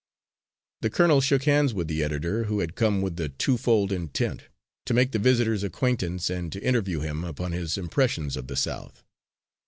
The colonel shook hands with the editor, who had come with a twofold intent to make the visitor's acquaintance and to interview him upon his impressions of the South.